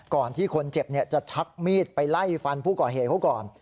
ก่อนที่คนเจ็บจะชักมีดไปไล่ฟันผู้ก่อเหตุเขาก่อน